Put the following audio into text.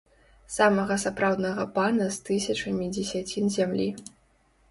Самага сапраўднага пана з тысячамі дзесяцін зямлі.